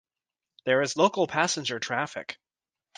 There is local passenger traffic.